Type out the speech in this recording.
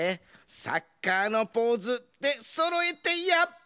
「サッカーのポーズ」でそろえてや！